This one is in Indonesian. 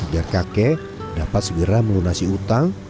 biar kakek dapat segera melunasi utang